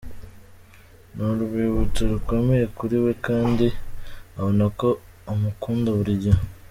Ni urwibutso rukomeye kuri we kandi abona ko umukunda buri gihe.